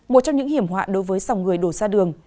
một trong những hiểm hoạ đối với dòng người đổ xa đường